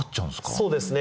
そうですね。